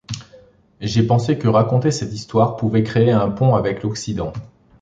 J'ai pensé que raconter cette histoire pouvait créer un pont avec l'Occident.